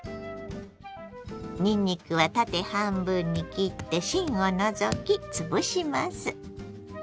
にんにくは縦半分に切って芯を除き潰します。